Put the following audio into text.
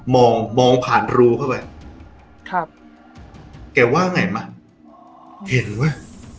มองผ่านรูเข้าไปแกว่าไงมะเห็นไว้